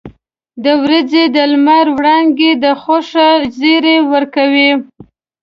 • د ورځې د لمر وړانګې د خوښۍ زیری ورکوي.